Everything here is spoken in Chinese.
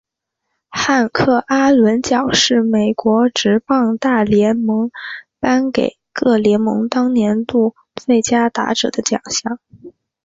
汉克阿伦奖是美国职棒大联盟颁给各联盟当年度最佳打者的奖项。